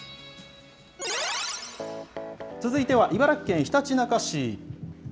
続いては茨城県ひたちなか市。